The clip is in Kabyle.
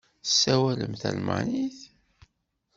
Tessawalem talmanit?